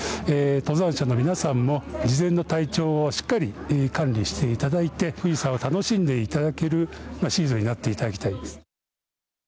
登山者の皆さんも事前の体調をしっかり管理していただいて富士山を楽しんでいただけるシーズンになっていただきたいです。